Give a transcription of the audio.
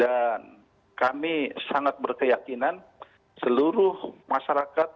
dan kami sangat berkeyakinan seluruh masyarakat